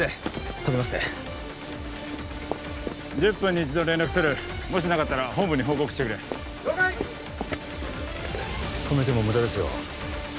頼みますね１０分に一度連絡するもしなかったら本部に報告してくれ了解止めても無駄ですよ